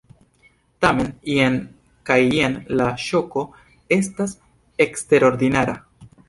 Tamen jen kaj jen la ŝoko estas eksterordinara.